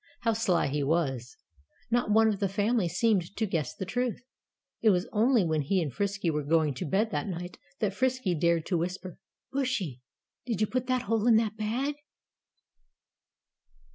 How sly he was. Not one of the family seemed to guess the truth. It was only when he and Frisky were going to bed that night that Frisky dared to whisper, "Bushy, did you put that hole in that bag?"